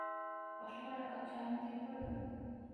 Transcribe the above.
কষ্ট করে এক কাপ চা এনে দিতে পারবেন?